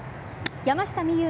山下美夢